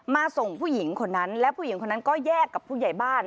ส่งผู้หญิงคนนั้นและผู้หญิงคนนั้นก็แยกกับผู้ใหญ่บ้าน